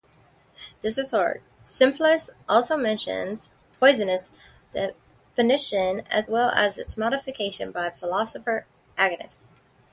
Simplicius also mentions Posidonius' definition as well as its modification by the philosopher Aganis.